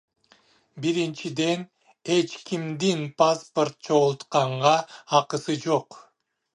Биринчиден, эч кимдин паспорт чогултканга акысы жок.